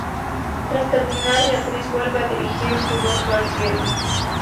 Tras terminar, Beatriz vuelve a dirigir su rostro al cielo.